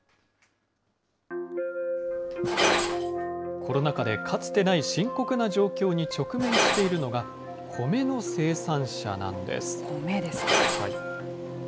コロナ禍でかつてない深刻な状況に直面しているのが、米ですか。